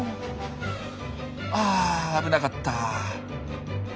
あ危なかった。